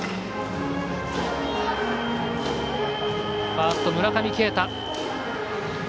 ファースト、村上慶太。